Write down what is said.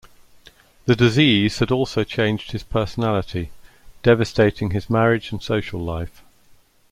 The disease had also changed his personality, devastating his marriage and social life.